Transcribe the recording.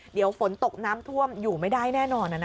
เดี๋ยวฝนตกน้ำท่วมอยู่ไม่ได้แน่นอน